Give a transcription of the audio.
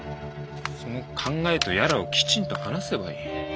その考えとやらをきちんと話せばいい。